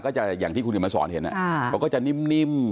ก็จะอย่างที่คุณธิมมาสอนเห็นอ่ะเขาก็จะนิ่ม